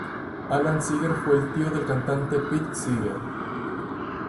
Alan Seeger fue el tío del cantante Pete Seeger.